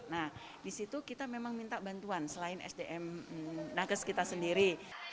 nah di situ kita memang minta bantuan selain sdm nages kita sendiri